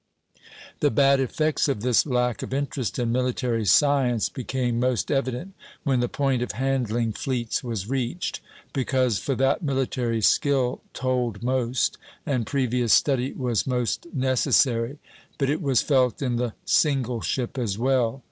The bad effects of this lack of interest in military science became most evident when the point of handling fleets was reached, because for that military skill told most, and previous study was most necessary; but it was felt in the single ship as well.